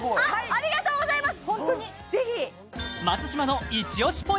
ありがとうございます